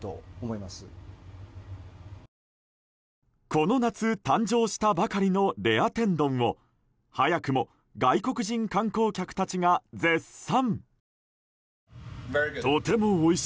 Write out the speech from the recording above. この夏、誕生したばかりのレア天丼を早くも外国人観光客たちが絶賛。